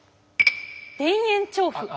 田園調布。